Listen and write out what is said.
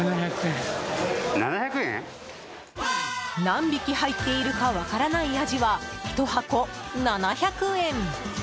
何匹入っているか分からないアジは１箱７００円！